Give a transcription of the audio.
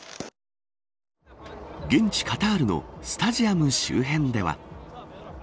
現地カタールのスタジアム周辺では。